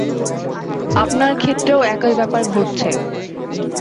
আপনার ক্ষেত্রেও একই ব্যাপার ঘটছে।